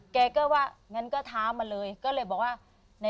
แกก็ว่างั้นก็ท้ามาเลยก็เลยบอกว่า